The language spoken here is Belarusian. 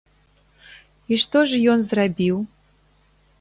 І што ж ён зрабіў?